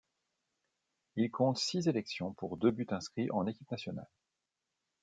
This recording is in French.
Il compte six sélections pour deux buts inscrits en équipe nationale.